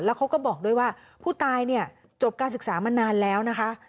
แล้วเขาก็บอกด้วยว่าผู้ตายเนี่ยจบการศึกษามานานแล้วนะคะ